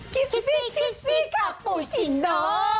คิสซี่คิสซี่คาปูชิโน